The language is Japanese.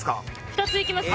２ついきます？